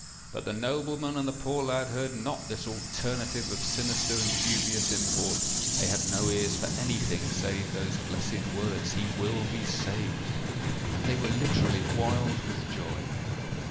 But the nobleman and the poor lad heard not this alternative of sinister and dubious import: they had no ears for anything save those blessed words—"He will be saved!" And they were literally wild with joy.